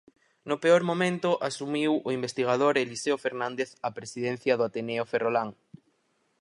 No peor momento asumiu o investigador Eliseo Fernández a presidencia do Ateneo Ferrolán.